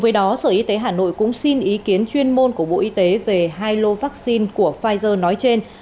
bộ y tế hà nội cũng xin ý kiến chuyên môn của bộ y tế về hai lô vaccine của pfizer nói trên